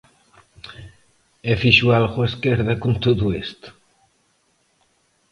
¿E fixo algo a esquerda con todo isto?